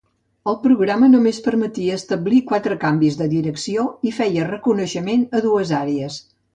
El programa només permetia establir quatre canvis de direcció i feia reconeixement a dues àrees.